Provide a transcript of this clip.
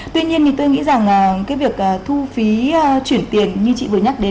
tuy nhiên thì tôi nghĩ rằng cái việc thu phí chuyển tiền như chị vừa nhắc đến